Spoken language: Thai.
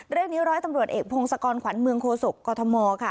เรื่องนี้ร้อยตำรวจเอกพงศกรขวัญเมืองโฆษกกฎมค่ะ